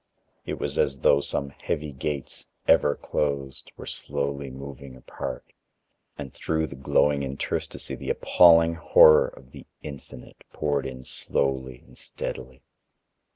It was as though some heavy gates, ever closed, were slowly moving apart, and through the growing interstice the appalling horror of the Infinite poured in slowly and steadily.